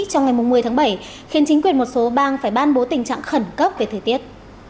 trong ngày một mươi tháng bảy khiến chính quyền một số bang phải ban bố tình trạng khẩn cấp về thời tiết